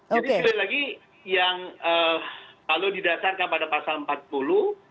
jadi sekali lagi yang kalau didasarkan pada pasal empat puluh